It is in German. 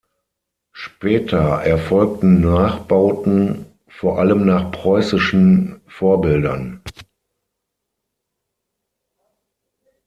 Später erfolgten Nachbauten vor allem nach preußischen Vorbildern.